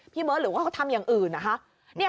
พี่เมิ๊วหรือว่าเขาทำอย่างอื่นอะคะ